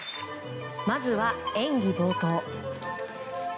まずは演技冒頭。